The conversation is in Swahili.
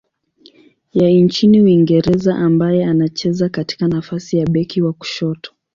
ya nchini Uingereza ambaye anacheza katika nafasi ya beki wa kushoto.